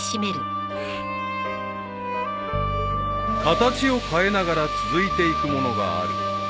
［形を変えながら続いていくものがある］